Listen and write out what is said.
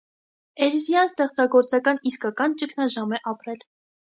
Էրզիան ստեղծագործական իսկական ճգնաժամ է ապրել։